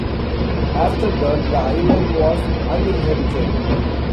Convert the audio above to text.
After that, the island was uninhabited.